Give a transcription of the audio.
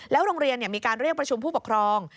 โรงเรียนมีการเรียกประชุมผู้ปกครอง